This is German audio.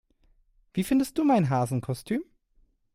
Wie findest du mein Hasenkostüm?